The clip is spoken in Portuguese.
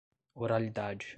oralidade